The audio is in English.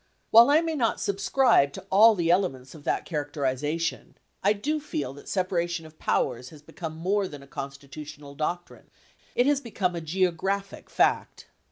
While I may not subscribe to all the elements of that characterization, 1 do feel that separation of powers has become more than a constitu tional doctrine, it has become a geographic fact.